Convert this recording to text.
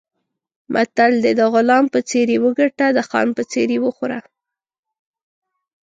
متل دی: د غلام په څېر یې وګټه، د خان په څېر یې وخوره.